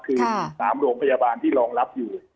คือ๓โรงพยาบาลที่รองรับอยู่